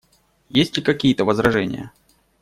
Есть ли какие-то возражения?